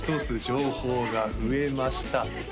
１つ情報が増えました